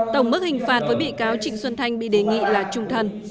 tổng mức hình phạt với bị cáo trịnh xuân thanh bị đề nghị là trung thân